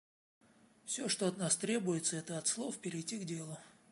Все, что от нас требуется — это от слов перейти к делу.